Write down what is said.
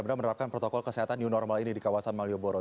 benar benar menerapkan protokol kesehatan new normal ini di kawasan malioboro